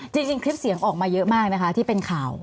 จริงคลิปเสียงออกมาเยอะมากนะคะที่เป็นข่าว